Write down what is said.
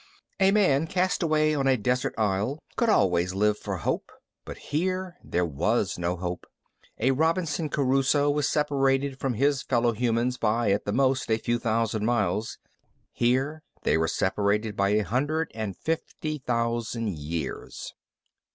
A man cast away on a desert isle could always live for hope, but here there was no hope. A Robinson Crusoe was separated from his fellow humans by, at the most, a few thousand miles. Here they were separated by a hundred and fifty thousand years.